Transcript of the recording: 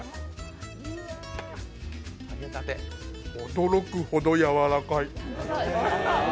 驚くほどやわらかい！